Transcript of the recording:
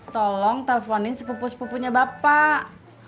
tolong telfonin sepupu sepupunya bapak